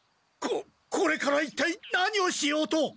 ここれから一体何をしようと！？